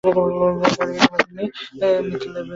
আর তার বিনিময়ে তুমি মিত্তলের স্টুডিওগুলি পেয়ে যাবে।